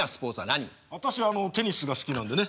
私あのテニスが好きなんでね。